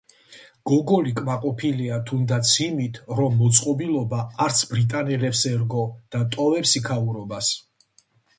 გოგოლი კმაყოფილია თუნდაც იმით, რომ მოწყობილობა არც ბრიტანელებს ერგო და ტოვებს იქაურობას.